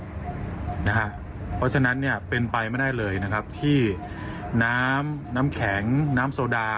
เพราะฉะนั้นเป็นไปไม่ได้เลยนะครับที่น้ำน้ำแข็งน้ำโซดา